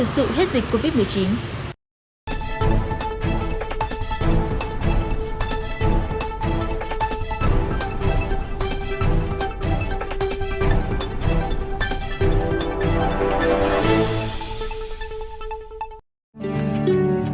sự hết dịch covid một mươi chín